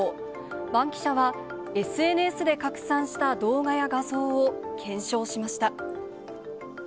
バンキシャは、ＳＮＳで拡散した動画や画像を検証しました。